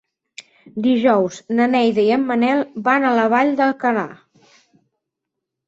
Dijous na Neida i en Manel van a la Vall d'Alcalà.